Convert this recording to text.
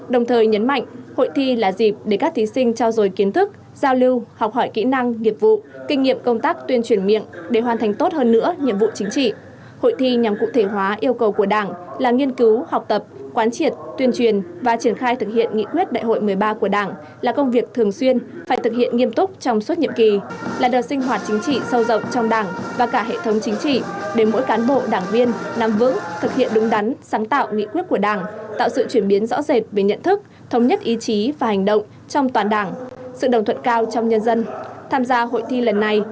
đồng thời nhấn mạnh hội thi là dịp để các thí sinh trao dồi kiến thức giao lưu học hỏi kỹ năng nghiệp vụ kinh nghiệm công tác tuyên truyền miệng để hoàn thành tốt hơn nữa nhiệm vụ chính trị